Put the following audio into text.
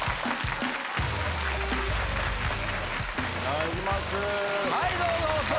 はいどうぞ。